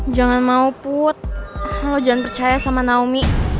jangan mau put kalau jangan percaya sama naomi